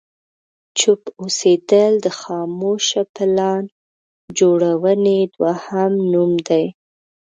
چوپ اوسېدل د خاموشه پلان جوړونې دوهم نوم دی.